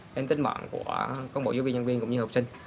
đến tính mạng của công bộ giáo viên nhân viên cũng như học sinh